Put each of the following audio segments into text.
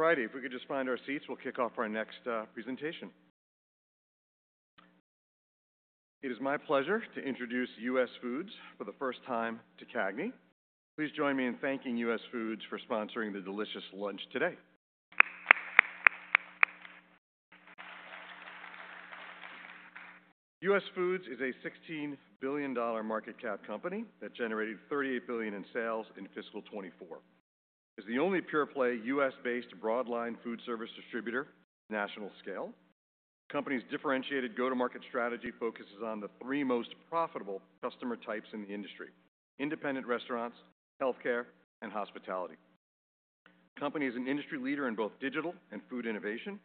All righty, if we could just find our seats, we'll kick off our next presentation. It is my pleasure to introduce US Foods for the first time to CAGNY. Please join me in thanking US Foods for sponsoring the delicious lunch today. US Foods is a $16 billion market cap company that generated $38 billion in sales in fiscal 2024. It is the only pure-play U.S.-based broadline food service distributor of national scale. The company's differentiated go-to-market strategy focuses on the three most profitable customer types in the industry: independent restaurants, healthcare, and hospitality. The company is an industry leader in both digital and food innovation,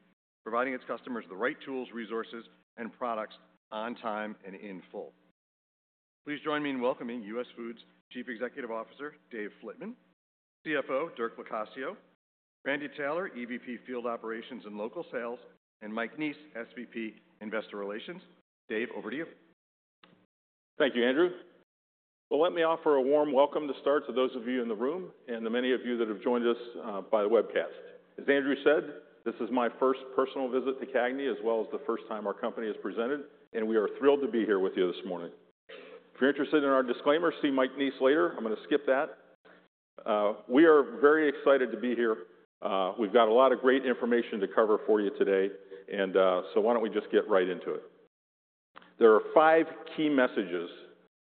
providing its customers the right tools, resources, and products on time and in full. Please join me in welcoming US Foods Chief Executive Officer Dave Flitman, CFO Dirk Locascio, Randy Taylor, EVP Field Operations and Local Sales, and Mike Neese, SVP Investor Relations. Dave, over to you. Thank you, Andrew. Let me offer a warm welcome to start to those of you in the room and the many of you that have joined us by the webcast. As Andrew said, this is my first personal visit to CAGNY, as well as the first time our company has presented, and we are thrilled to be here with you this morning. If you're interested in our disclaimer, see Mike Neese later. I'm going to skip that. We are very excited to be here. We've got a lot of great information to cover for you today, and so why don't we just get right into it. There are five key messages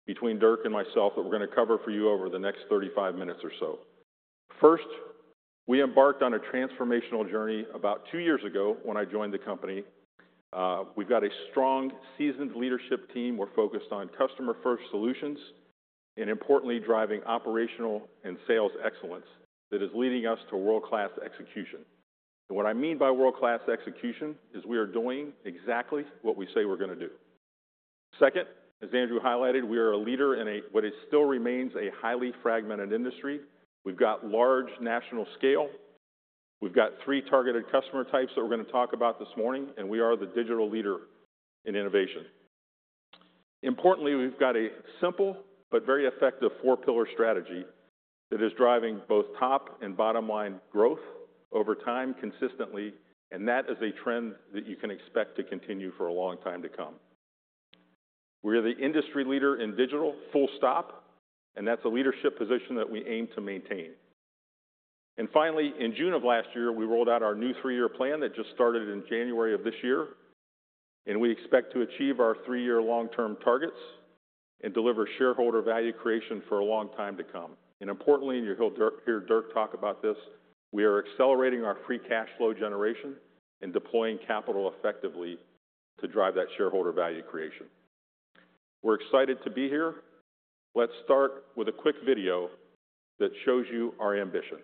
between Dirk and myself that we're going to cover for you over the next 35 minutes or so. First, we embarked on a transformational journey about two years ago when I joined the company. We've got a strong, seasoned leadership team. We're focused on customer-first solutions and, importantly, driving operational and sales excellence that is leading us to world-class execution. And what I mean by world-class execution is we are doing exactly what we say we're going to do. Second, as Andrew highlighted, we are a leader in what still remains a highly fragmented industry. We've got large national scale. We've got three targeted customer types that we're going to talk about this morning, and we are the digital leader in innovation. Importantly, we've got a simple but very effective four-pillar strategy that is driving both top and bottom line growth over time consistently, and that is a trend that you can expect to continue for a long time to come. We are the industry leader in digital, full stop, and that's a leadership position that we aim to maintain. And finally, in June of last year, we rolled out our new three-year plan that just started in January of this year, and we expect to achieve our three-year long-term targets and deliver shareholder value creation for a long time to come. Importantly, and you'll hear Dirk talk about this, we are accelerating our free cash flow generation and deploying capital effectively to drive that shareholder value creation. We're excited to be here. Let's start with a quick video that shows you our ambition.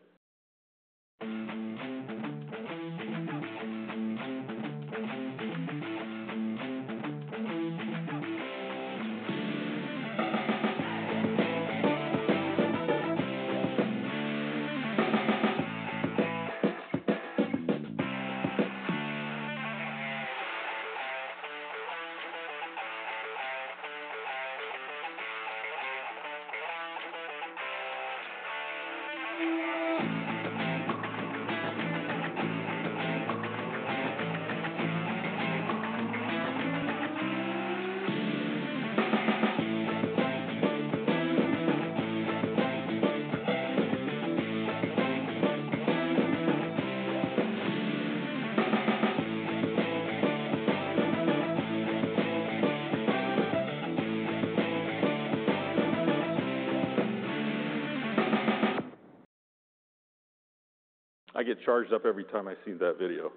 I get charged up every time I see that video.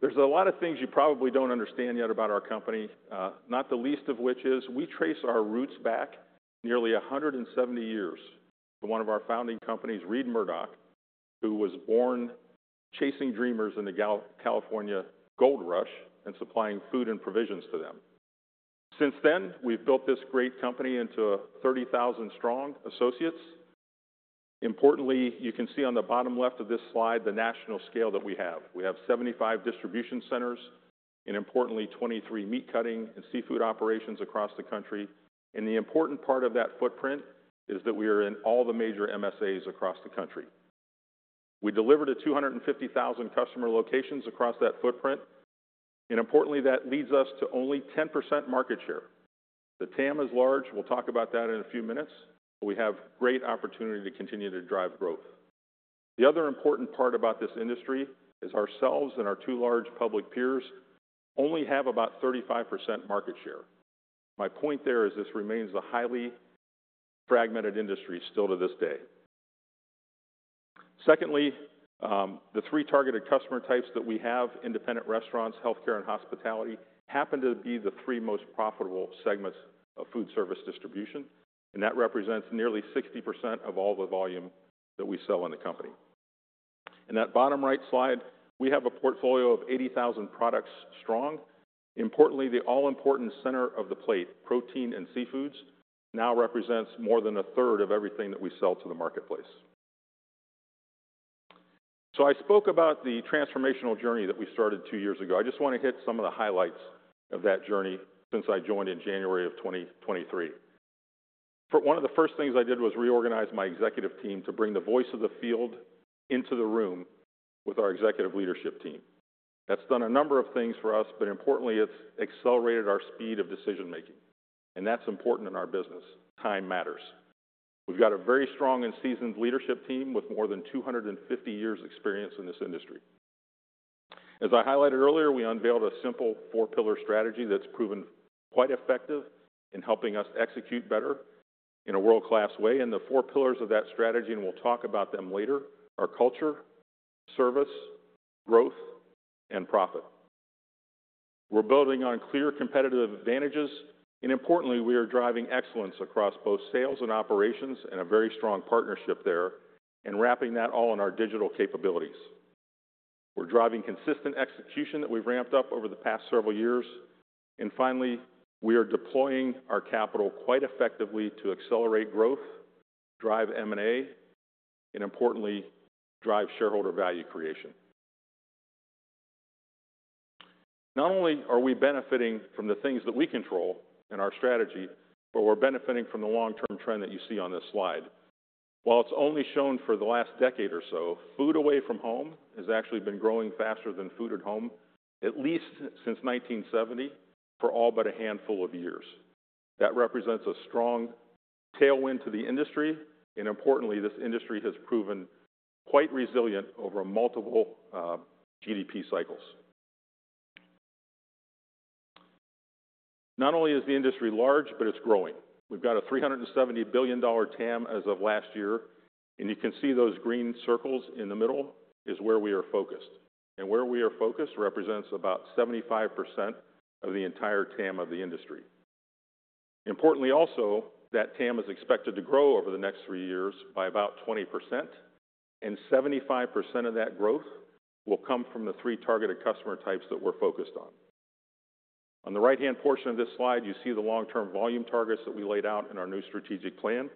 There's a lot of things you probably don't understand yet about our company, not the least of which is we trace our roots back nearly 170 years to one of our founding companies, Reid Murdoch, who was born chasing dreamers in the California Gold Rush and supplying food and provisions to them. Since then, we've built this great company into 30,000-strong associates. Importantly, you can see on the bottom left of this slide the national scale that we have. We have 75 distribution centers and, importantly, 23 meat cutting and seafood operations across the country, and the important part of that footprint is that we are in all the major MSAs across the country. We delivered to 250,000 customer locations across that footprint, and importantly, that leads us to only 10% market share. The TAM is large. We'll talk about that in a few minutes. We have great opportunity to continue to drive growth. The other important part about this industry is ourselves and our two large public peers only have about 35% market share. My point there is this remains a highly fragmented industry still to this day. Secondly, the three targeted customer types that we have, independent restaurants, healthcare, and hospitality, happen to be the three most profitable segments of food service distribution, and that represents nearly 60% of all the volume that we sell in the company. In that bottom right slide, we have a portfolio of 80,000 products-strong. Importantly, the all-important center of the plate, protein and seafoods, now represents more than a third of everything that we sell to the marketplace. So I spoke about the transformational journey that we started two years ago. I just want to hit some of the highlights of that journey since I joined in January of 2023. One of the first things I did was reorganize my executive team to bring the voice of the field into the room with our executive leadership team. That's done a number of things for us, but importantly, it's accelerated our speed of decision-making, and that's important in our business. Time matters. We've got a very strong and seasoned leadership team with more than 250 years' experience in this industry. As I highlighted earlier, we unveiled a simple four-pillar strategy that's proven quite effective in helping us execute better in a world-class way, and the four pillars of that strategy—and we'll talk about them later—are culture, service, growth, and profit. We're building on clear competitive advantages, and importantly, we are driving excellence across both sales and operations and a very strong partnership there, and wrapping that all in our digital capabilities. We're driving consistent execution that we've ramped up over the past several years, and finally, we are deploying our capital quite effectively to accelerate growth, drive M&A, and importantly, drive shareholder value creation. Not only are we benefiting from the things that we control in our strategy, but we're benefiting from the long-term trend that you see on this slide. While it's only shown for the last decade or so, food away from home has actually been growing faster than food at home, at least since 1970, for all but a handful of years. That represents a strong tailwind to the industry, and importantly, this industry has proven quite resilient over multiple GDP cycles. Not only is the industry large, but it's growing. We've got a $370 billion TAM as of last year, and you can see those green circles in the middle is where we are focused. And where we are focused represents about 75% of the entire TAM of the industry. Importantly also, that TAM is expected to grow over the next three years by about 20%, and 75% of that growth will come from the three targeted customer types that we're focused on. On the right-hand portion of this slide, you see the long-term volume targets that we laid out in our new strategic plan.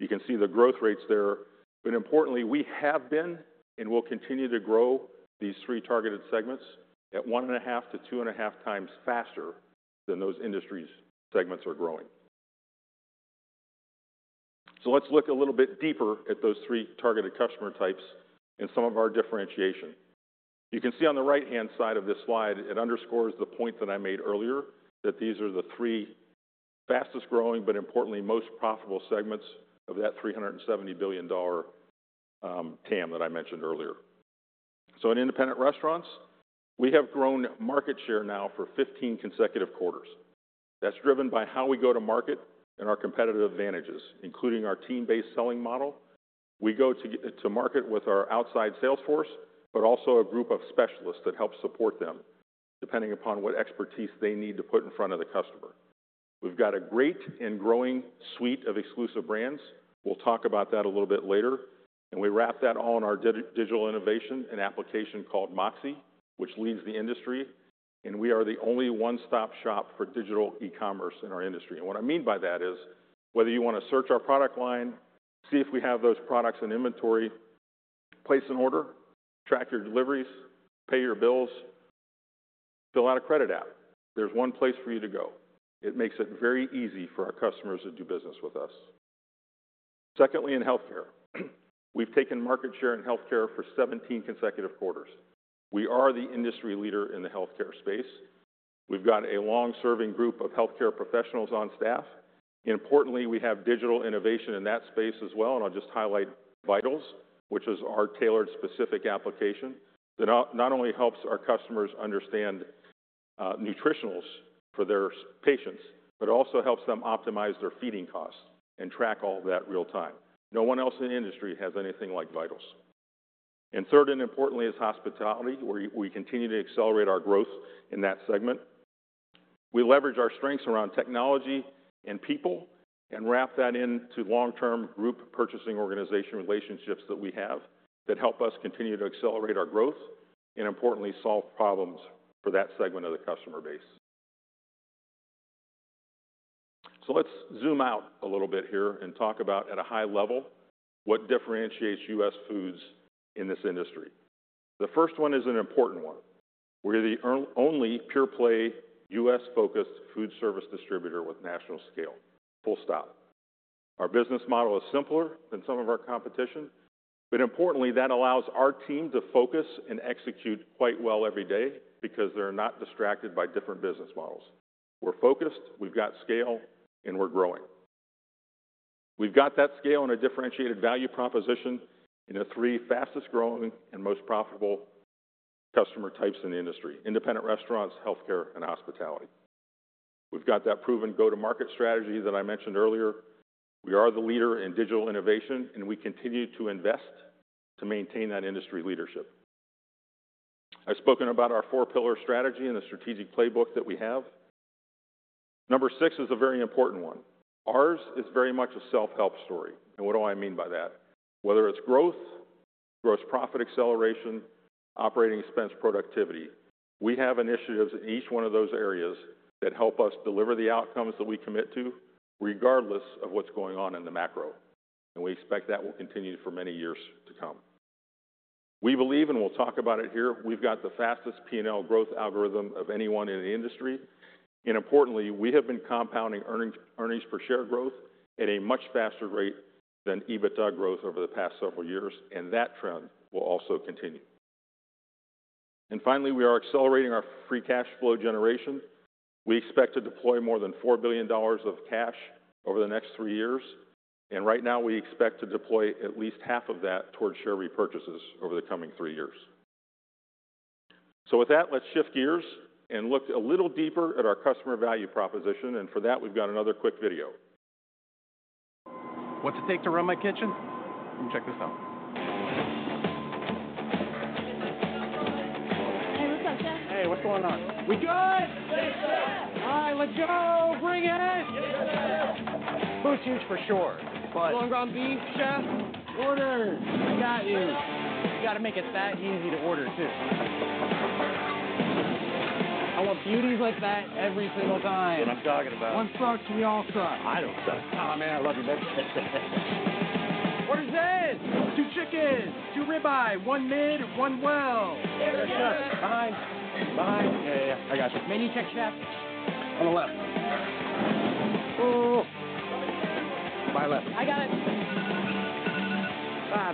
You can see the growth rates there. But importantly, we have been and will continue to grow these three targeted segments at 1.5x to 2.5x faster than those industries' segments are growing. So let's look a little bit deeper at those three targeted customer types and some of our differentiation. You can see on the right-hand side of this slide, it underscores the point that I made earlier that these are the three fastest growing, but importantly, most profitable segments of that $370 billion TAM that I mentioned earlier. So in independent restaurants, we have grown market share now for 15 consecutive quarters. That's driven by how we go to market and our competitive advantages, including our team-based selling model. We go to market with our outside sales force, but also a group of specialists that help support them depending upon what expertise they need to put in front of the customer. We've got a great and growing suite of Exclusive Brands. We'll talk about that a little bit later. And we wrap that all in our digital innovation and application called MOXē, which leads the industry, and we are the only one-stop shop for digital e-commerce in our industry. And what I mean by that is whether you want to search our product line, see if we have those products in inventory, place an order, track your deliveries, pay your bills, fill out a credit app, there's one place for you to go. It makes it very easy for our customers to do business with us. Secondly, in healthcare, we've taken market share in healthcare for 17 consecutive quarters. We are the industry leader in the healthcare space. We've got a long-serving group of healthcare professionals on staff. Importantly, we have digital innovation in that space as well, and I'll just highlight VITALS, which is our tailored specific application that not only helps our customers understand nutritionals for their patients, but also helps them optimize their feeding costs and track all that real time. No one else in the industry has anything like VITALS. And third, and importantly, is hospitality, where we continue to accelerate our growth in that segment. We leverage our strengths around technology and people and wrap that into long-term group purchasing organization relationships that we have that help us continue to accelerate our growth and, importantly, solve problems for that segment of the customer base. So let's zoom out a little bit here and talk about, at a high level, what differentiates US Foods in this industry. The first one is an important one. We're the only pure-play U.S.-focused food service distributor with national scale. Full stop. Our business model is simpler than some of our competition, but importantly, that allows our team to focus and execute quite well every day because they're not distracted by different business models. We're focused, we've got scale, and we're growing. We've got that scale and a differentiated value proposition in the three fastest growing and most profitable customer types in the industry: independent restaurants, healthcare, and hospitality. We've got that proven go-to-market strategy that I mentioned earlier. We are the leader in digital innovation, and we continue to invest to maintain that industry leadership. I've spoken about our four-pillar strategy and the strategic playbook that we have. Number six is a very important one. Ours is very much a self-help story, and what do I mean by that? Whether it's growth, gross profit acceleration, operating expense productivity, we have initiatives in each one of those areas that help us deliver the outcomes that we commit to regardless of what's going on in the macro, and we expect that will continue for many years to come. We believe, and we'll talk about it here, we've got the fastest P&L growth algorithm of anyone in the industry. And importantly, we have been compounding earnings per share growth at a much faster rate than EBITDA growth over the past several years, and that trend will also continue. And finally, we are accelerating our free cash flow generation. We expect to deploy more than $4 billion of cash over the next three years. And right now, we expect to deploy at least half of that towards share repurchases over the coming three years. So with that, let's shift gears and look a little deeper at our customer value proposition. And for that, we've got another quick video. What's it take to run my kitchen? Come check this out. Hey, what's up, chef? Hey, what's going on? We good? Yes, chef. All right, let's go. Bring it. Yes, chef. Food's huge for sure, but lean ground beef, chef. Order. I got you. You got to make it that easy to order too. I want beauties like that every single time. What I'm talking about. One stock to the all stock. I don't suck, man. I love you, baby. Where's Ed? Two chickens, two ribeye, one medium, one well. There it is. Behind. Behind. Okay, I got you. Menu check, chef. On the left. Oh. Bible. I got it.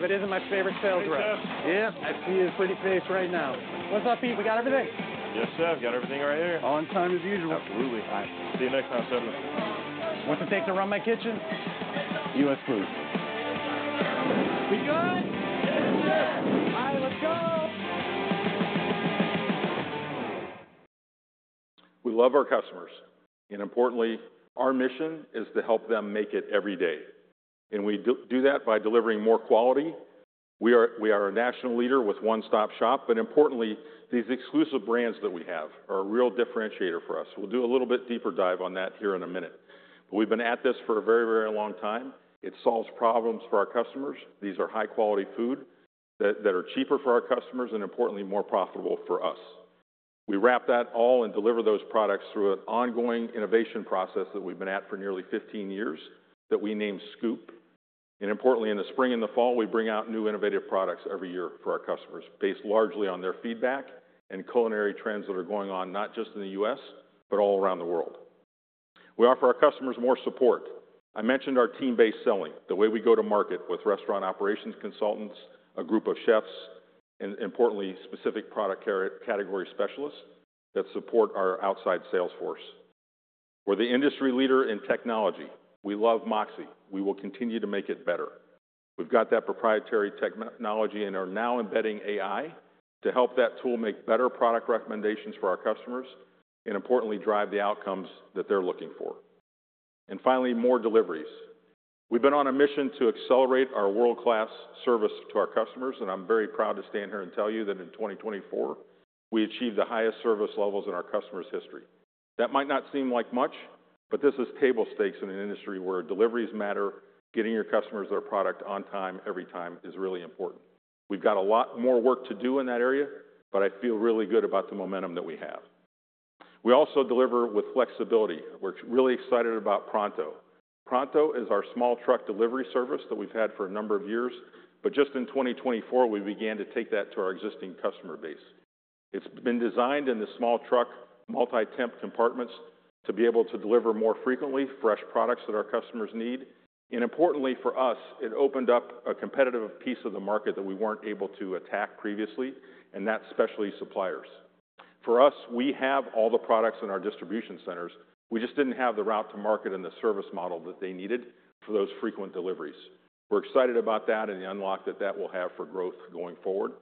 But isn't it my favorite sales rep. Yep, I see his pretty face right now. What's up, Pete? We got everything. Yes, chef. Got everything right here. On time as usual. Absolutely. All right. See you next time, 7:00. What's it take to run my kitchen? US Foods. We good? Yes, chef. All right, let's go. We love our customers. And importantly, our mission is to help them make it every day. And we do that by delivering more quality. We are a national leader with one-stop shop. But importantly, these Exclusive Brands that we have are a real differentiator for us. We'll do a little bit deeper dive on that here in a minute. But we've been at this for a very, very long time. It solves problems for our customers. These are high-quality foods that are cheaper for our customers and, importantly, more profitable for us. We wrap that all and deliver those products through an ongoing innovation process that we've been at for nearly 15 years that we named Scoop. And importantly, in the spring and the fall, we bring out new innovative products every year for our customers based largely on their feedback and culinary trends that are going on not just in the U.S., but all around the world. We offer our customers more support. I mentioned our team-based selling, the way we go to market with restaurant operations consultants, a group of chefs, and importantly, specific product category specialists that support our outside sales force. We're the industry leader in technology. We love MOXē. We will continue to make it better. We've got that proprietary technology and are now embedding AI to help that tool make better product recommendations for our customers and, importantly, drive the outcomes that they're looking for. And finally, more deliveries. We've been on a mission to accelerate our world-class service to our customers, and I'm very proud to stand here and tell you that in 2024, we achieved the highest service levels in our customer's history. That might not seem like much, but this is table stakes in an industry where deliveries matter. Getting your customers their product on time every time is really important. We've got a lot more work to do in that area, but I feel really good about the momentum that we have. We also deliver with flexibility. We're really excited about Pronto. Pronto is our small truck delivery service that we've had for a number of years, but just in 2024, we began to take that to our existing customer base. It's been designed in the small truck multi-temp compartments to be able to deliver more frequently fresh products that our customers need. Importantly for us, it opened up a competitive piece of the market that we weren't able to attack previously, and that's specially suppliers. For us, we have all the products in our distribution centers. We just didn't have the route to market and the service model that they needed for those frequent deliveries. We're excited about that and the unlock that that will have for growth going forward.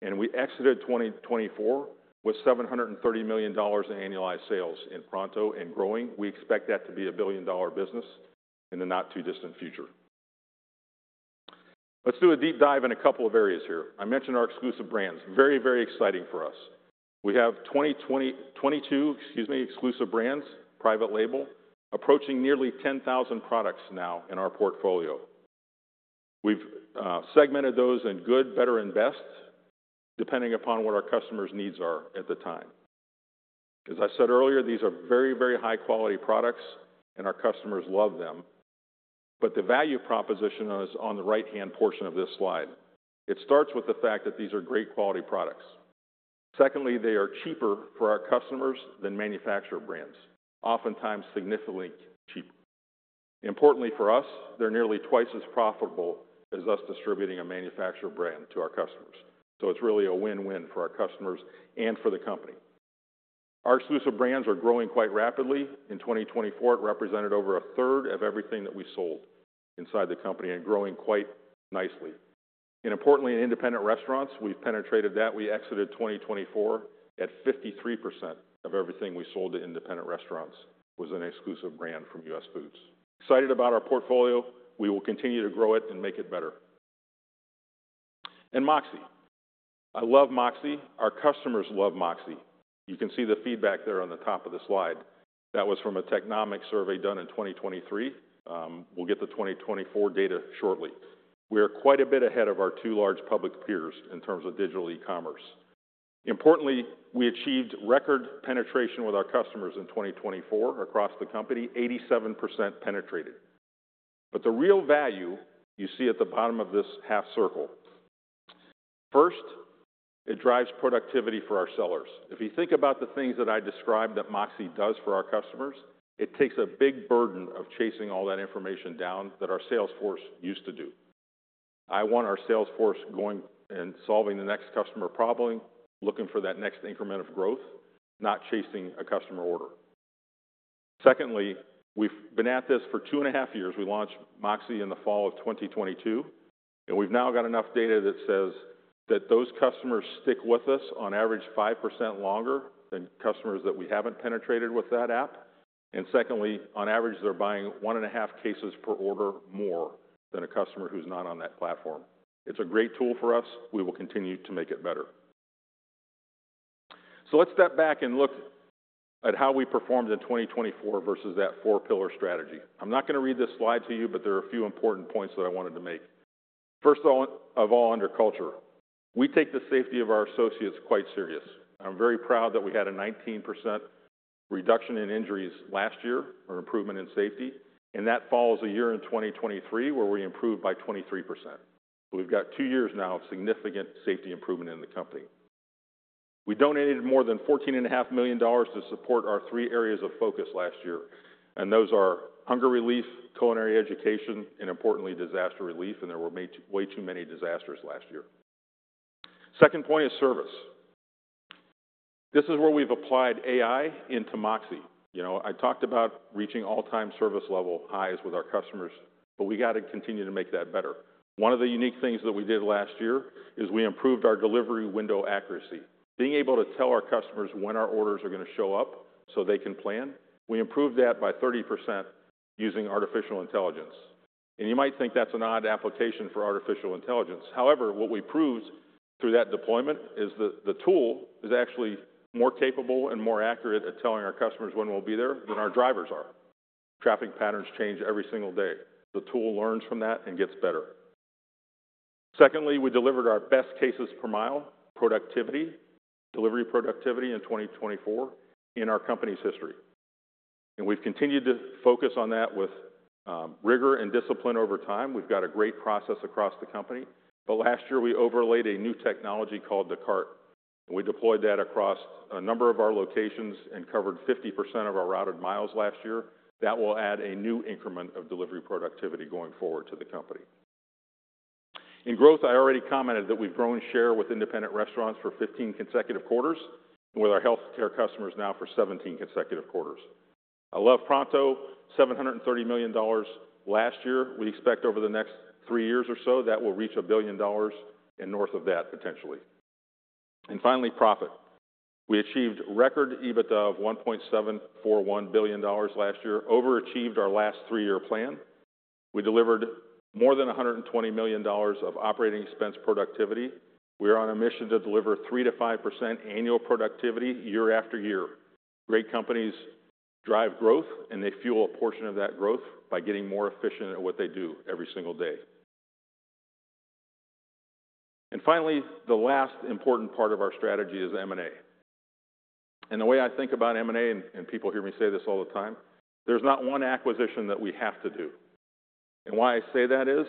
We exited 2024 with $730 million in annualized sales in Pronto and growing. We expect that to be a billion-dollar business in the not-too-distant future. Let's do a deep dive in a couple of areas here. I mentioned our Exclusive Brands. Very, very exciting for us. We have 2022, excuse me, Exclusive Brands, private label, approaching nearly 10,000 products now in our portfolio. We've segmented those in good, better, and best depending upon what our customers' needs are at the time. As I said earlier, these are very, very high-quality products, and our customers love them. But the value proposition is on the right-hand portion of this slide. It starts with the fact that these are great quality products. Secondly, they are cheaper for our customers than manufactured brands, oftentimes significantly cheaper. Importantly for us, they're nearly twice as profitable as us distributing a manufactured brand to our customers. So it's really a win-win for our customers and for the company. Our Exclusive Brands are growing quite rapidly. In 2024, it represented over a third of everything that we sold inside the company and growing quite nicely, and importantly, in independent restaurants, we've penetrated that. We exited 2024 at 53% of everything we sold to independent restaurants was an Exclusive Brand from US Foods. Excited about our portfolio. We will continue to grow it and make it better, and MOXē. I love MOXē. Our customers love MOXē. You can see the feedback there on the top of the slide. That was from a technical survey done in 2023. We'll get the 2024 data shortly. We are quite a bit ahead of our two large public peers in terms of digital e-commerce. Importantly, we achieved record penetration with our customers in 2024 across the company, 87% penetrated, but the real value you see at the bottom of this half circle. First, it drives productivity for our sellers. If you think about the things that I described that MOXē does for our customers, it takes a big burden of chasing all that information down that our sales force used to do. I want our sales force going and solving the next customer problem, looking for that next increment of growth, not chasing a customer order. Secondly, we've been at this for two and a half years. We launched MOXē in the fall of 2022, and we've now got enough data that says that those customers stick with us on average 5% longer than customers that we haven't penetrated with that app. And secondly, on average, they're buying one and a half cases per order more than a customer who's not on that platform. It's a great tool for us. We will continue to make it better. Let's step back and look at how we performed in 2024 versus that four-pillar strategy. I'm not going to read this slide to you, but there are a few important points that I wanted to make. First of all, under culture, we take the safety of our associates quite serious. I'm very proud that we had a 19% reduction in injuries last year or improvement in safety. That follows a year in 2023 where we improved by 23%. We've got two years now of significant safety improvement in the company. We donated more than $14.5 million to support our three areas of focus last year. Those are hunger relief, culinary education, and importantly, disaster relief. There were way too many disasters last year. Second point is service. This is where we've applied AI into MOXē. I talked about reaching all-time service level highs with our customers, but we got to continue to make that better. One of the unique things that we did last year is we improved our delivery window accuracy, being able to tell our customers when our orders are going to show up so they can plan. We improved that by 30% using artificial intelligence, and you might think that's an odd application for artificial intelligence. However, what we proved through that deployment is that the tool is actually more capable and more accurate at telling our customers when we'll be there than our drivers are. Traffic patterns change every single day. The tool learns from that and gets better. Secondly, we delivered our best cases per mile productivity, delivery productivity in 2024 in our company's history, and we've continued to focus on that with rigor and discipline over time. We've got a great process across the company, but last year, we overlaid a new technology called Descartes. We deployed that across a number of our locations and covered 50% of our routed miles last year. That will add a new increment of delivery productivity going forward to the company. In growth, I already commented that we've grown share with independent restaurants for 15 consecutive quarters, with our healthcare customers now for 17 consecutive quarters. I love Pronto, $730 million last year. We expect over the next three years or so that we'll reach $1 billion and north of that potentially, and finally, profit. We achieved record EBITDA of $1.741 billion last year, overachieved our last three-year plan. We delivered more than $120 million of operating expense productivity. We are on a mission to deliver 3%-5% annual productivity year-after-year. Great companies drive growth, and they fuel a portion of that growth by getting more efficient at what they do every single day. And finally, the last important part of our strategy is M&A. And the way I think about M&A, and people hear me say this all the time, there's not one acquisition that we have to do. And why I say that is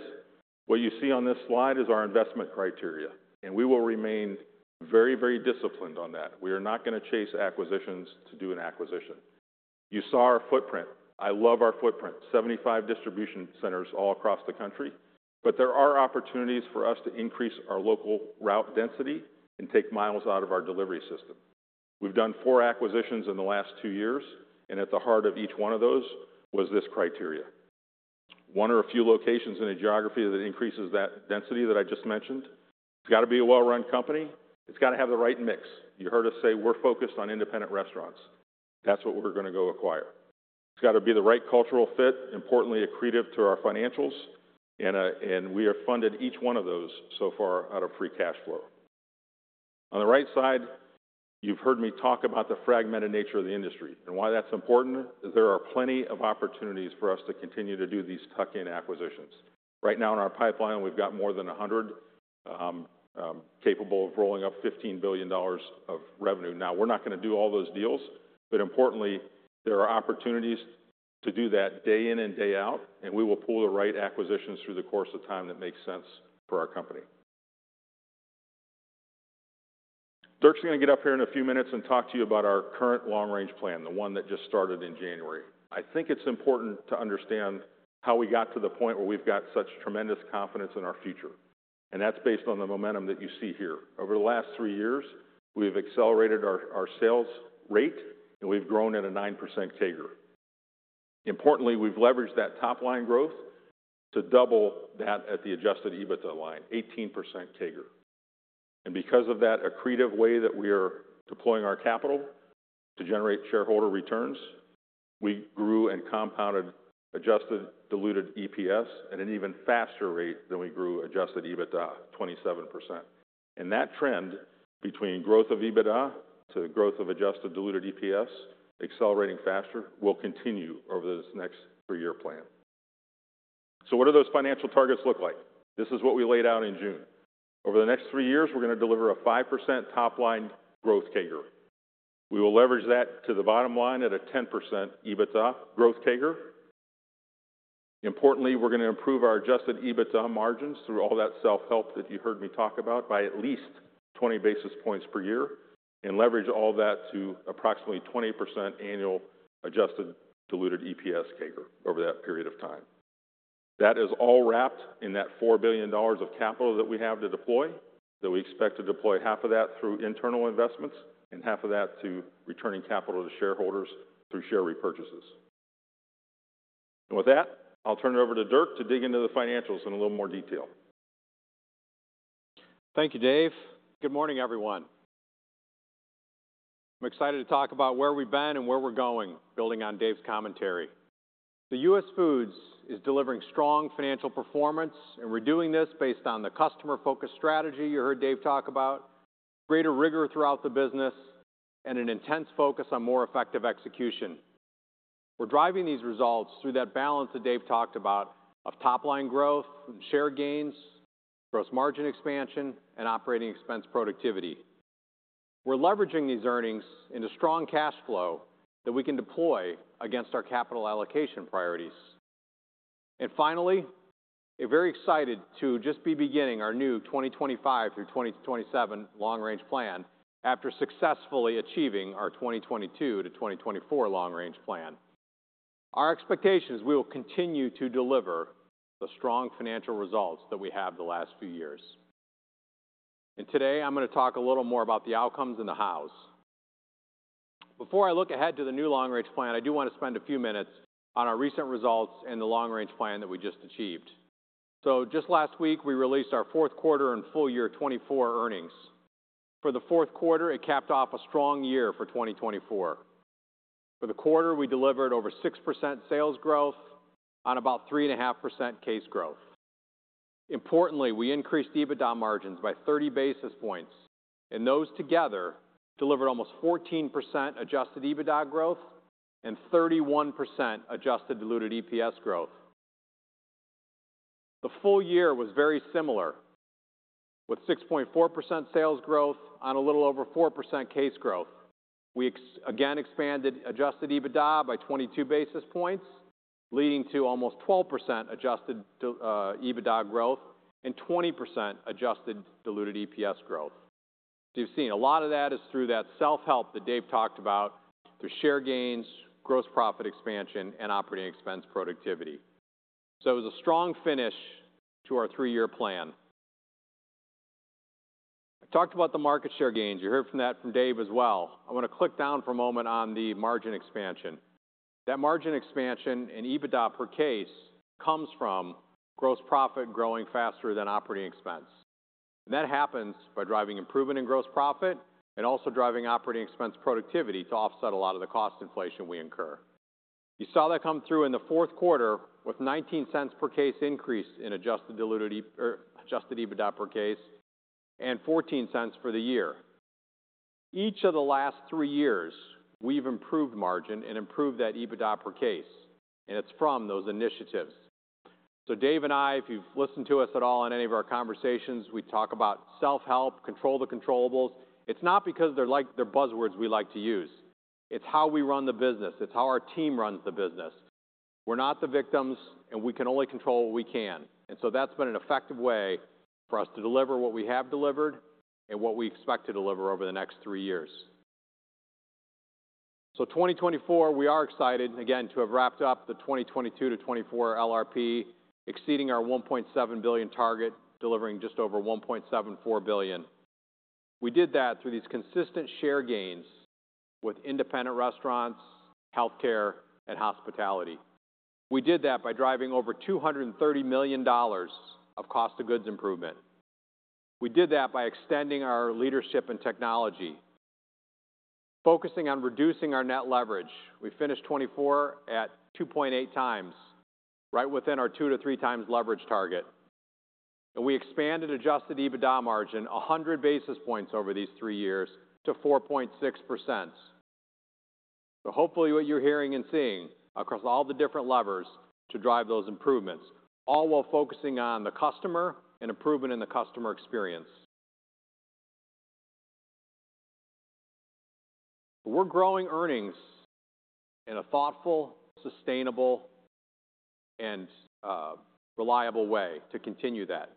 what you see on this slide is our investment criteria. And we will remain very, very disciplined on that. We are not going to chase acquisitions to do an acquisition. You saw our footprint. I love our footprint, 75 distribution centers all across the country. But there are opportunities for us to increase our local route density and take miles out of our delivery system. We've done four acquisitions in the last two years. At the heart of each one of those was this criteria. One or a few locations in a geography that increases that density that I just mentioned. It's got to be a well-run company. It's got to have the right mix. You heard us say we're focused on independent restaurants. That's what we're going to go acquire. It's got to be the right cultural fit, importantly accretive to our financials. And we have funded each one of those so far out of free cash flow. On the right side, you've heard me talk about the fragmented nature of the industry. And why that's important is there are plenty of opportunities for us to continue to do these tuck-in acquisitions. Right now in our pipeline, we've got more than 100 capable of rolling up $15 billion of revenue. Now, we're not going to do all those deals. But importantly, there are opportunities to do that day in and day out. And we will pull the right acquisitions through the course of time that make sense for our company. Dirk's going to get up here in a few minutes and talk to you about our current long-range plan, the one that just started in January. I think it's important to understand how we got to the point where we've got such tremendous confidence in our future. And that's based on the momentum that you see here. Over the last three years, we've accelerated our sales rate, and we've grown at a 9% CAGR. Importantly, we've leveraged that top-line growth to double that at the adjusted EBITDA line, 18% CAGR. Because of that accretive way that we are deploying our capital to generate shareholder returns, we grew and compounded adjusted diluted EPS at an even faster rate than we grew adjusted EBITDA, 27%. That trend between growth of EBITDA to growth of adjusted diluted EPS accelerating faster will continue over this next three-year plan. What do those financial targets look like? This is what we laid out in June. Over the next three years, we're going to deliver a 5% top-line growth CAGR. We will leverage that to the bottom line at a 10% EBITDA growth CAGR. Importantly, we're going to improve our adjusted EBITDA margins through all that self-help that you heard me talk about by at least 20 basis points per year and leverage all that to approximately 20% annual adjusted diluted EPS CAGR over that period of time. That is all wrapped in that $4 billion of capital that we have to deploy. That we expect to deploy $2 billion through internal investments and $2 billion to returning capital to shareholders through share repurchases. And with that, I'll turn it over to Dirk to dig into the financials in a little more detail. Thank you, Dave. Good morning, everyone. I'm excited to talk about where we've been and where we're going, building on Dave's commentary. US Foods is delivering strong financial performance, and we're doing this based on the customer-focused strategy you heard Dave talk about, greater rigor throughout the business, and an intense focus on more effective execution. We're driving these results through that balance that Dave talked about of top-line growth, share gains, gross margin expansion, and operating expense productivity. We're leveraging these earnings into strong cash flow that we can deploy against our capital allocation priorities. And finally, I'm very excited to just be beginning our new 2025 through 2027 long-range plan after successfully achieving our 2022 to 2024 long-range plan. Our expectation is we will continue to deliver the strong financial results that we have the last few years. And today, I'm going to talk a little more about the outcomes and the hows. Before I look ahead to the new long-range plan, I do want to spend a few minutes on our recent results and the long-range plan that we just achieved. So just last week, we released our fourth quarter and full year 2024 earnings. For the fourth quarter, it capped off a strong year for 2024. For the quarter, we delivered over 6% sales growth on about 3.5% case growth. Importantly, we increased EBITDA margins by 30 basis points. And those together delivered almost 14% adjusted EBITDA growth and 31% adjusted diluted EPS growth. The full year was very similar with 6.4% sales growth on a little over 4% case growth. We again expanded adjusted EBITDA by 22 basis points, leading to almost 12% adjusted EBITDA growth and 20% adjusted diluted EPS growth. So you've seen a lot of that is through that self-help that Dave talked about through share gains, gross profit expansion, and operating expense productivity. So it was a strong finish to our three-year plan. I talked about the market share gains. You heard from that from Dave as well. I want to click down for a moment on the margin expansion. That margin expansion in EBITDA per case comes from gross profit growing faster than operating expense. And that happens by driving improvement in gross profit and also driving operating expense productivity to offset a lot of the cost inflation we incur. You saw that come through in the fourth quarter with $0.19 per case increase in adjusted diluted or adjusted EBITDA per case and $0.14 for the year. Each of the last three years, we've improved margin and improved that EBITDA per case. And it's from those initiatives. So Dave and I, if you've listened to us at all in any of our conversations, we talk about self-help, control the controllables. It's not because they're like they're buzzwords we like to use. It's how we run the business. It's how our team runs the business. We're not the victims, and we can only control what we can. And so that's been an effective way for us to deliver what we have delivered and what we expect to deliver over the next three years. So 2024, we are excited again to have wrapped up the 2022 to 2024 LRP, exceeding our $1.7 billion target, delivering just over $1.74 billion. We did that through these consistent share gains with independent restaurants, healthcare, and hospitality. We did that by driving over $230 million of cost of goods improvement. We did that by extending our leadership and technology, focusing on reducing our net leverage. We finished 2024 at 2.8 times, right within our two to three times leverage target. And we expanded adjusted EBITDA margin 100 basis points over these three years to 4.6%. Hopefully what you're hearing and seeing across all the different levers to drive those improvements, all while focusing on the customer and improvement in the customer experience. We're growing earnings in a thoughtful, sustainable, and reliable way to continue that,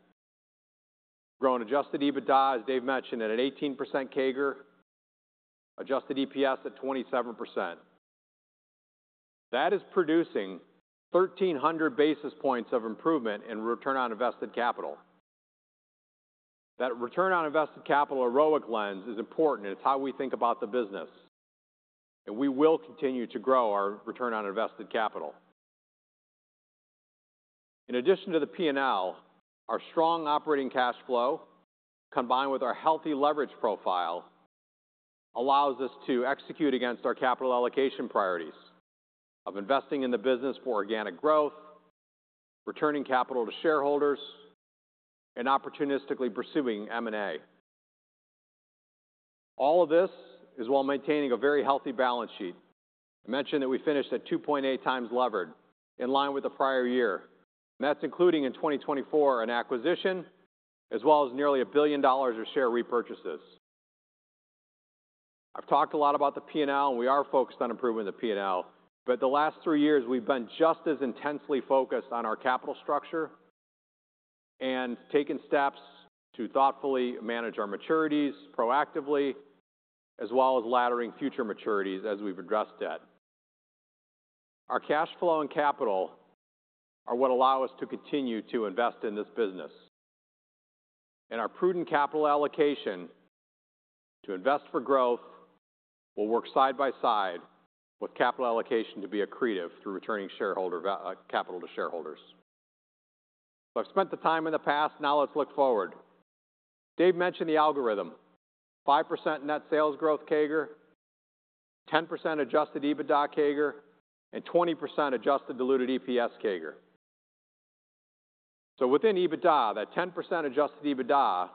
growing adjusted EBITDA, as Dave mentioned, at an 18% CAGR, adjusted EPS at 27%. That is producing 1,300 basis points of improvement in return on invested capital. That return on invested capital holistic lens is important. It's how we think about the business, we will continue to grow our return on invested capital. In addition to the P&L, our strong operating cash flow combined with our healthy leverage profile allows us to execute against our capital allocation priorities of investing in the business for organic growth, returning capital to shareholders, and opportunistically pursuing M&A. All of this is while maintaining a very healthy balance sheet. I mentioned that we finished at 2.8x levered in line with the prior year, and that's including in 2024 an acquisition as well as nearly $1 billion of share repurchases. I've talked a lot about the P&L, and we are focused on improving the P&L, but the last three years, we've been just as intensely focused on our capital structure and taken steps to thoughtfully manage our maturities proactively, as well as laddering future maturities as we've addressed debt. Our cash flow and capital are what allow us to continue to invest in this business, and our prudent capital allocation to invest for growth will work side by side with capital allocation to be accretive through returning shareholder capital to shareholders, so I've spent the time in the past. Now let's look forward. Dave mentioned the algorithm: 5% net sales growth CAGR, 10% adjusted EBITDA CAGR, and 20% adjusted diluted EPS CAGR. So within EBITDA, that 10% adjusted EBITDA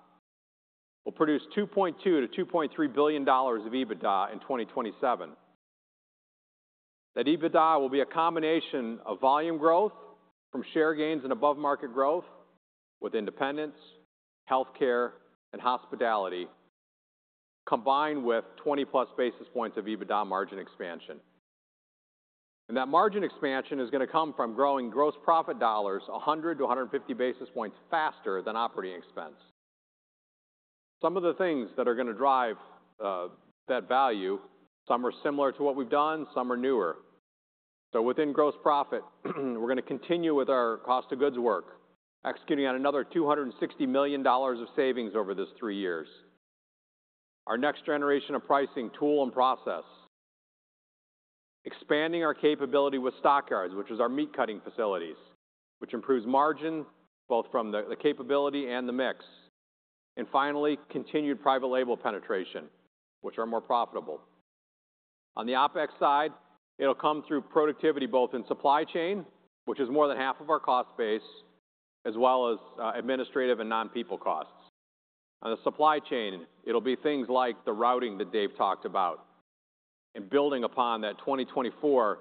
will produce $2.2 billion-$2.3 billion of EBITDA in 2027. That EBITDA will be a combination of volume growth from share gains and above-market growth with independents, healthcare, and hospitality, combined with 20+ basis points of EBITDA margin expansion. And that margin expansion is going to come from growing gross profit dollars 100-150 basis points faster than operating expense. Some of the things that are going to drive that value, some are similar to what we've done, some are newer. So within gross profit, we're going to continue with our cost of goods work, executing on another $260 million of savings over these three years. Our next generation of pricing tool and process, expanding our capability with Stock Yards, which is our meat cutting facilities, which improves margin both from the capability and the mix. And finally, continued private label penetration, which are more profitable. On the OpEx side, it'll come through productivity both in supply chain, which is more than half of our cost base, as well as administrative and non-people costs. On the supply chain, it'll be things like the routing that Dave talked about and building upon that 2024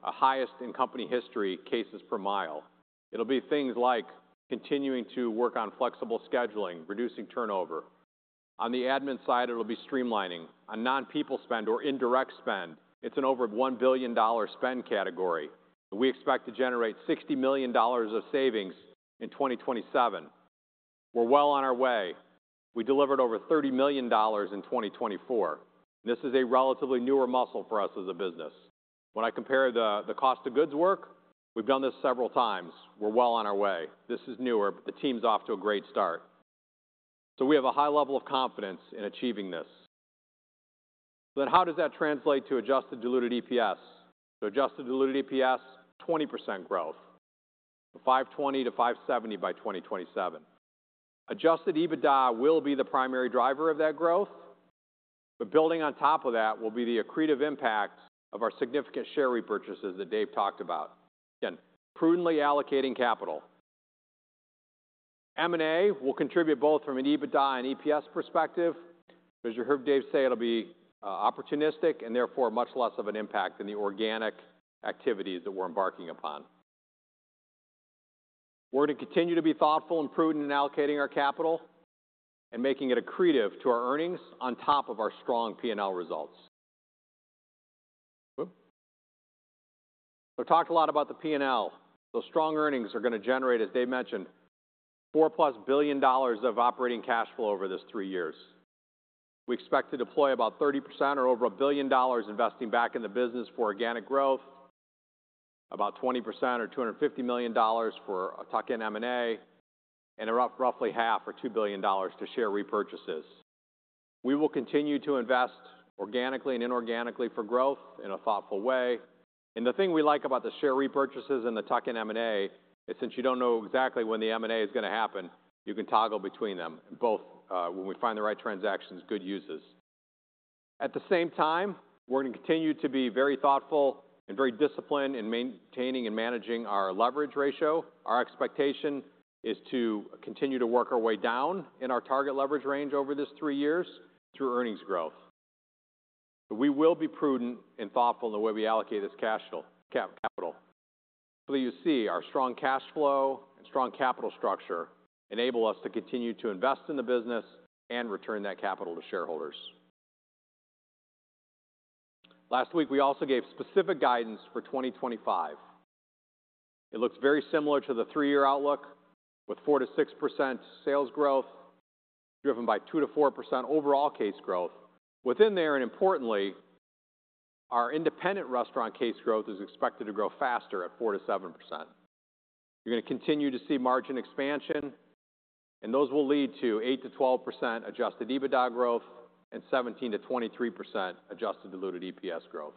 highest in company history cases per mile. It'll be things like continuing to work on flexible scheduling, reducing turnover. On the admin side, it'll be streamlining. On non-people spend or indirect spend, it's an over $1 billion spend category. We expect to generate $60 million of savings in 2027. We're well on our way. We delivered over $30 million in 2024. This is a relatively newer muscle for us as a business. When I compare the cost of goods work, we've done this several times. We're well on our way. This is newer, but the team's off to a great start. So we have a high level of confidence in achieving this. Then how does that translate to adjusted diluted EPS? So adjusted diluted EPS, 20% growth, $5.20-$5.70 by 2027. Adjusted EBITDA will be the primary driver of that growth, but building on top of that will be the accretive impact of our significant share repurchases that Dave talked about. Again, prudently allocating capital. M&A will contribute both from an EBITDA and EPS perspective. As you heard Dave say, it'll be opportunistic and therefore much less of an impact than the organic activities that we're embarking upon. We're going to continue to be thoughtful and prudent in allocating our capital and making it accretive to our earnings on top of our strong P&L results. So I've talked a lot about the P&L. Those strong earnings are going to generate, as Dave mentioned, $4+ billion of operating cash flow over this three years. We expect to deploy about 30% or over $1 billion investing back in the business for organic growth, about 20% or $250 million for a tuck-in M&A, and roughly half or $2 billion to share repurchases. We will continue to invest organically and inorganically for growth in a thoughtful way. The thing we like about the share repurchases and the tuck-in M&A is since you don't know exactly when the M&A is going to happen, you can toggle between them, both when we find the right transactions, good uses. At the same time, we're going to continue to be very thoughtful and very disciplined in maintaining and managing our leverage ratio. Our expectation is to continue to work our way down in our target leverage range over this three years through earnings growth. We will be prudent and thoughtful in the way we allocate this cash capital. Hopefully, you see our strong cash flow and strong capital structure enable us to continue to invest in the business and return that capital to shareholders. Last week, we also gave specific guidance for 2025. It looks very similar to the three-year outlook with 4%-6% sales growth driven by 2%-4% overall case growth. Within there, and importantly, our independent restaurant case growth is expected to grow faster at 4%-7%. You're going to continue to see margin expansion, and those will lead to 8%-12% adjusted EBITDA growth and 17%-23% adjusted diluted EPS growth.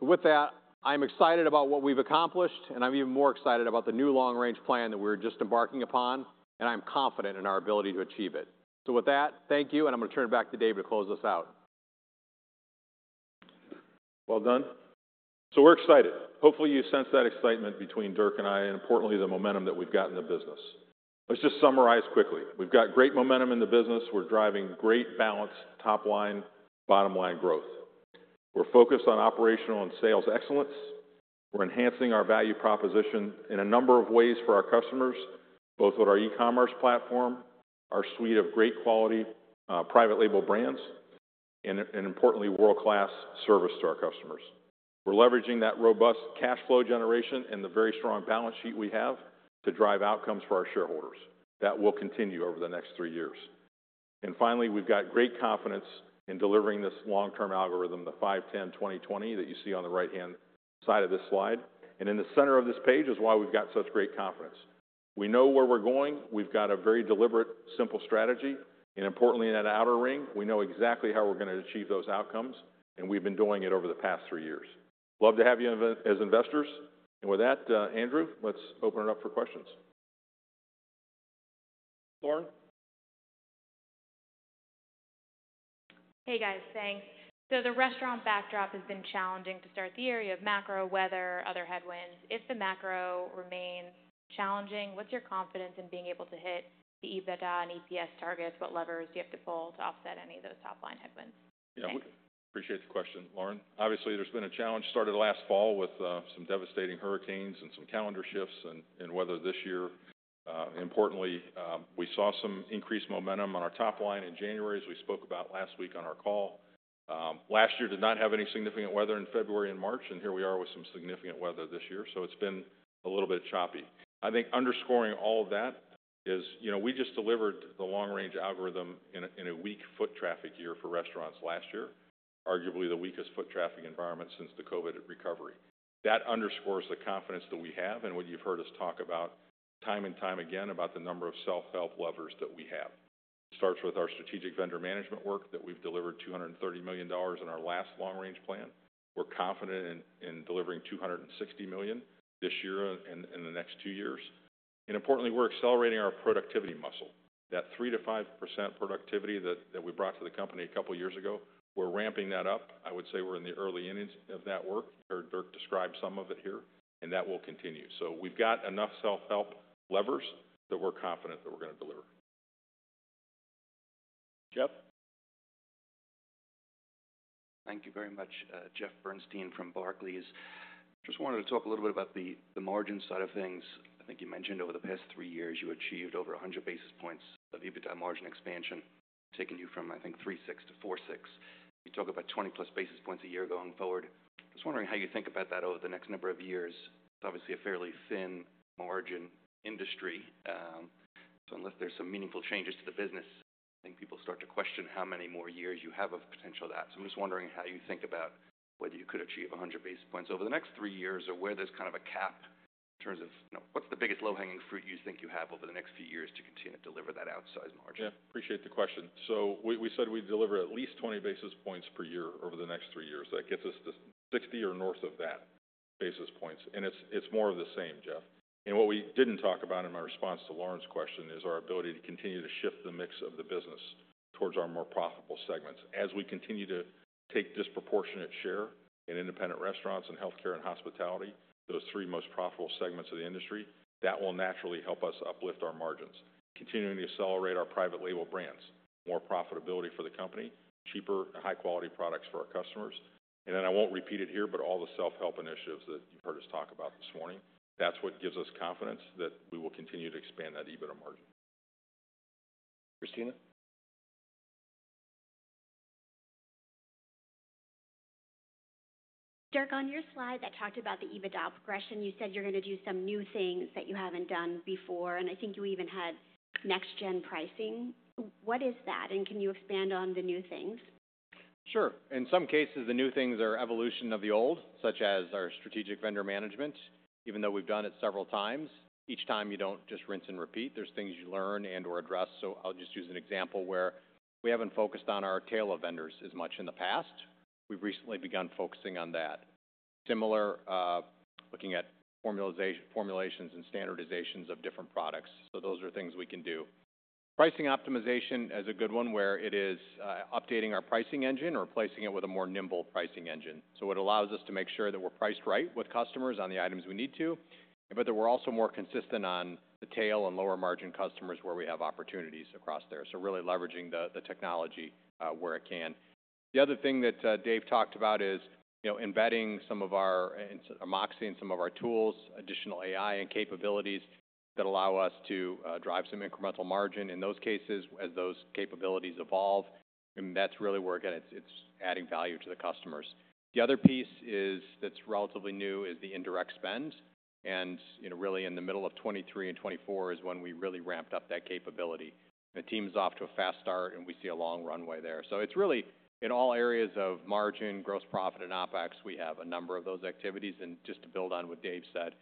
With that, I'm excited about what we've accomplished, and I'm even more excited about the new long-range plan that we're just embarking upon, and I'm confident in our ability to achieve it. So with that, thank you, and I'm going to turn it back to Dave to close this out. Well done. We're excited. Hopefully, you sense that excitement between Dirk and I, and importantly, the momentum that we've got in the business. Let's just summarize quickly. We've got great momentum in the business. We're driving great balanced top line, bottom line growth. We're focused on operational and sales excellence. We're enhancing our value proposition in a number of ways for our customers, both with our e-commerce platform, our suite of great quality private label brands, and importantly, world-class service to our customers. We're leveraging that robust cash flow generation and the very strong balance sheet we have to drive outcomes for our shareholders. That will continue over the next three years, and finally, we've got great confidence in delivering this long-term algorithm, the 5, 10, 20, 20 that you see on the right-hand side of this slide, and in the center of this page is why we've got such great confidence. We know where we're going. We've got a very deliberate, simple strategy, and importantly, in that outer ring, we know exactly how we're going to achieve those outcomes, and we've been doing it over the past three years. Love to have you as investors. And with that, Andrew, let's open it up for questions. Lauren? Hey, guys, thanks. So the restaurant backdrop has been challenging to start the year of macro, weather, other headwinds. If the macro remains challenging, what's your confidence in being able to hit the EBITDA and EPS targets? What levers do you have to pull to offset any of those top-line headwinds? Yeah, we appreciate the question, Lauren. Obviously, there's been a challenge started last fall with some devastating hurricanes and some calendar shifts in weather this year. Importantly, we saw some increased momentum on our top line in January, as we spoke about last week on our call. Last year did not have any significant weather in February and March, and here we are with some significant weather this year. So it's been a little bit choppy. I think underscoring all of that is we just delivered the long-range plan in a weak foot traffic year for restaurants last year, arguably the weakest foot traffic environment since the COVID recovery. That underscores the confidence that we have and what you've heard us talk about time and time again about the number of self-help levers that we have. It starts with our strategic vendor management work that we've delivered $230 million in our last long-range plan. We're confident in delivering $260 million this year and in the next two years. And importantly, we're accelerating our productivity muscle. That 3%-5% productivity that we brought to the company a couple of years ago, we're ramping that up. I would say we're in the early innings of that work. You heard Dirk describe some of it here, and that will continue. So we've got enough self-help levers that we're confident that we're going to deliver. Jeff? Thank you very much, Jeffrey Bernstein from Barclays. Just wanted to talk a little bit about the margin side of things. I think you mentioned over the past three years, you achieved over 100 basis points of EBITDA margin expansion, taking you from, I think, 3.6% to 4.6%. You talk about 20+ basis points a year going forward. Just wondering how you think about that over the next number of years. It's obviously a fairly thin margin industry. So unless there's some meaningful changes to the business, I think people start to question how many more years you have of potential that. So I'm just wondering how you think about whether you could achieve 100 basis points over the next three years or where there's kind of a cap in terms of what's the biggest low-hanging fruit you think you have over the next few years to continue to deliver that outsized margin? Yeah, appreciate the question. So we said we deliver at least 20 basis points per year over the next three years. That gets us to 60 or north of that basis points. And it's more of the same, Jeff. And what we didn't talk about in my response to Lauren's question is our ability to continue to shift the mix of the business towards our more profitable segments. As we continue to take disproportionate share in independent restaurants and healthcare and hospitality, those three most profitable segments of the industry, that will naturally help us uplift our margins, continuing to accelerate our private label brands, more profitability for the company, cheaper and high-quality products for our customers, and then I won't repeat it here, but all the self-help initiatives that you've heard us talk about this morning, that's what gives us confidence that we will continue to expand that EBITDA margin. Christina? Dirk, on your slide that talked about the EBITDA progression, you said you're going to do some new things that you haven't done before, and I think you even had next-gen pricing. What is that, and can you expand on the new things? Sure. In some cases, the new things are evolution of the old, such as our Strategic Vendor Management. Even though we've done it several times, each time you don't just rinse and repeat. There's things you learn and/or address. So I'll just use an example where we haven't focused on our tail of vendors as much in the past. We've recently begun focusing on that. Similar, looking at formulations and standardizations of different products. So those are things we can do. Pricing optimization is a good one where it is updating our pricing engine or replacing it with a more nimble pricing engine. So it allows us to make sure that we're priced right with customers on the items we need to, but that we're also more consistent on the tail-end and lower margin customers where we have opportunities across there. So really leveraging the technology where it can. The other thing that Dave talked about is embedding some of our MOXē, some of our tools, additional AI and capabilities that allow us to drive some incremental margin in those cases as those capabilities evolve. And that's really where, again, it's adding value to the customers. The other piece that's relatively new is the indirect spend. And really in the middle of 2023 and 2024 is when we really ramped up that capability. The team's off to a fast start, and we see a long runway there. So it's really in all areas of margin, gross profit, and OpEx, we have a number of those activities. And just to build on what Dave said,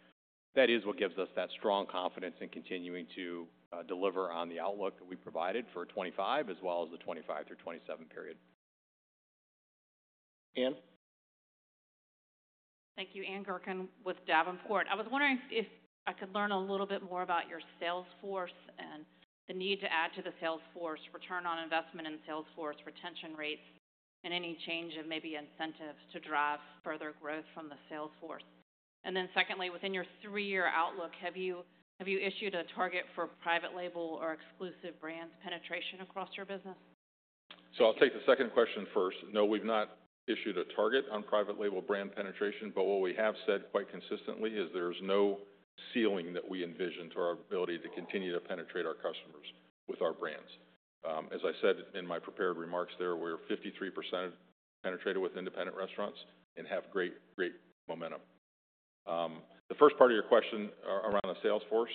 that is what gives us that strong confidence in continuing to deliver on the outlook that we provided for 2025 as well as the 2025 through 2027 period. Thank you. Ann Gurkin with Davenport. I was wondering if I could learn a little bit more about your sales force and the need to add to the sales force, return on investment in sales force, retention rates, and any change of maybe incentives to drive further growth from the sales force. And then secondly, within your three-year outlook, have you issued a target for private label or Exclusive Brands penetration across your business? So I'll take the second question first. No, we've not issued a target on private label brand penetration, but what we have said quite consistently is there's no ceiling that we envision to our ability to continue to penetrate our customers with our brands. As I said in my prepared remarks there, we're 53% penetrated with independent restaurants and have great, great momentum. The first part of your question around the sales force,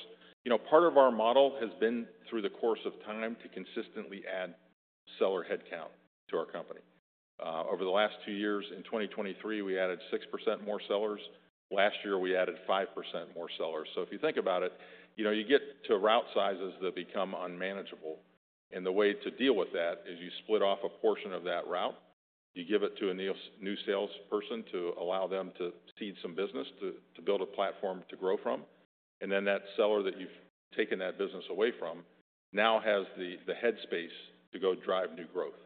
part of our model has been through the course of time to consistently add seller headcount to our company. Over the last two years, in 2023, we added 6% more sellers. Last year, we added 5% more sellers. So if you think about it, you get to route sizes that become unmanageable. And the way to deal with that is you split off a portion of that route, you give it to a new salesperson to allow them to seed some business to build a platform to grow from. And then that seller that you've taken that business away from now has the headspace to go drive new growth.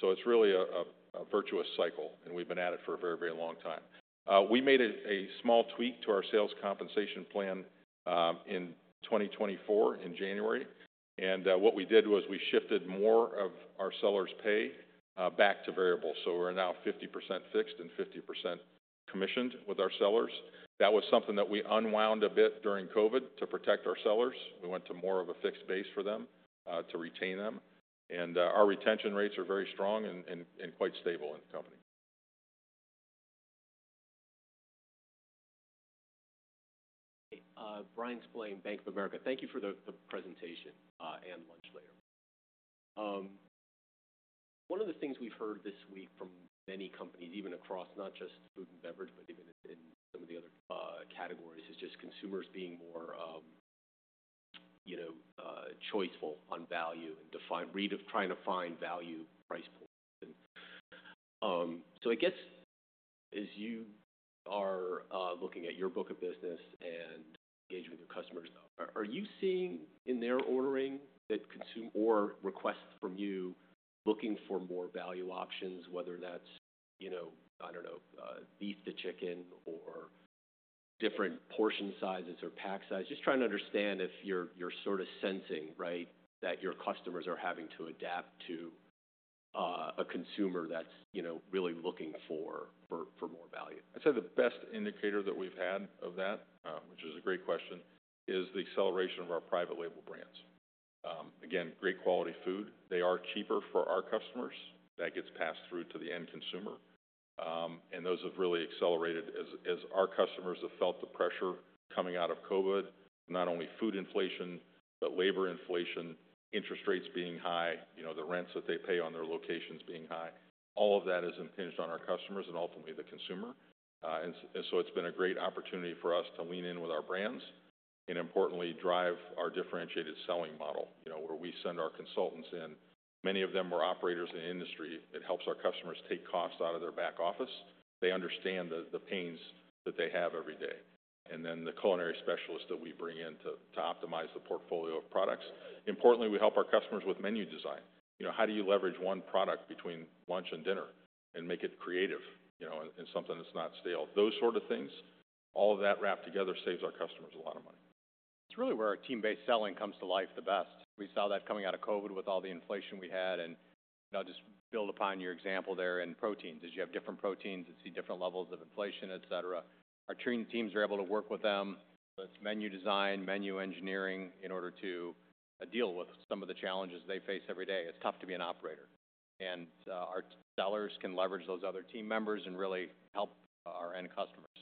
So it's really a virtuous cycle, and we've been at it for a very, very long time. We made a small tweak to our sales compensation plan in 2024 in January. What we did was we shifted more of our sellers' pay back to variable. So we're now 50% fixed and 50% commissioned with our sellers. That was something that we unwound a bit during COVID to protect our sellers. We went to more of a fixed base for them to retain them. And our retention rates are very strong and quite stable in the company. Bryan Spillane, Bank of America. Thank you for the presentation and lunch later. One of the things we've heard this week from many companies, even across not just food and beverage, but even in some of the other categories, is just consumers being more choiceful on value and trying to find value price points. So I guess as you are looking at your book of business and engaging with your customers, are you seeing in their ordering that consumer or requests from you looking for more value options, whether that's, I don't know, beef to chicken or different portion sizes or pack sizes? Just trying to understand if you're sort of sensing, right, that your customers are having to adapt to a consumer that's really looking for more value. I'd say the best indicator that we've had of that, which is a great question, is the acceleration of our private label brands. Again, great quality food. They are cheaper for our customers. That gets passed through to the end consumer. And those have really accelerated as our customers have felt the pressure coming out of COVID, not only food inflation, but labor inflation, interest rates being high, the rents that they pay on their locations being high. All of that is impinged on our customers and ultimately the consumer. And so it's been a great opportunity for us to lean in with our brands and importantly drive our differentiated selling model where we send our consultants in. Many of them are operators in the industry. It helps our customers take costs out of their back office. They understand the pains that they have every day. And then the culinary specialists that we bring in to optimize the portfolio of products. Importantly, we help our customers with menu design. How do you leverage one product between lunch and dinner and make it creative in something that's not stale? Those sort of things, all of that wrapped together saves our customers a lot of money. It's really where our team-based selling comes to life the best. We saw that coming out of COVID with all the inflation we had. And I'll just build upon your example there and proteins. As you have different proteins and see different levels of inflation, et cetera, our training teams are able to work with them. It's menu design, menu engineering in order to deal with some of the challenges they face every day. It's tough to be an operator. And our sellers can leverage those other team members and really help our end customers.